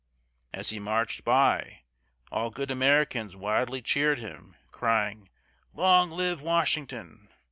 As he marched by, all good Americans wildly cheered him, crying: "Long live Washington!